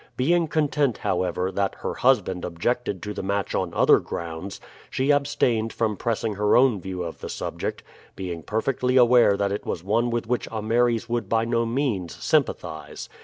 Being content, however, that her husband objected to the match on other grounds, she abstained from pressing her own view of the subject, being perfectly aware that it was one with which Ameres would by no means sympathize.